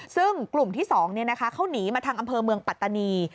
ซึ่งกลุ่มที่๒เขาหนีมาทางอำเภอเมืองปัตตานี